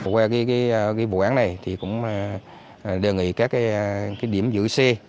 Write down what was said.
qua cái bộ án này thì cũng đề nghị các cái điểm giữ xe